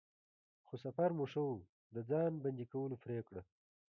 خو سفر مو ښه و، د د ځان بندی کولو پرېکړه.